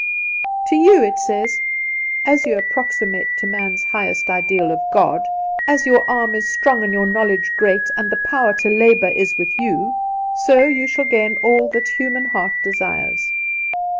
To you it says As you approximate to man's highest ideal of God, as your arm is strong and your knowledge great, and the power to labour is with you, so you shall gain all that human heart desires.